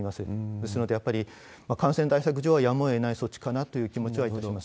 ですので、やっぱり感染対策上はやむをえない措置かなという気持ちはいたします。